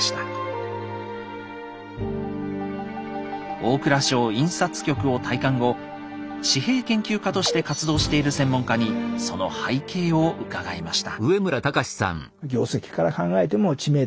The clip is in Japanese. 大蔵省印刷局を退官後紙幣研究家として活動している専門家にその背景を伺いました。